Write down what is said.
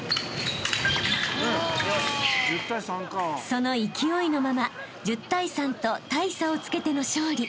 ［その勢いのまま１０対３と大差をつけての勝利］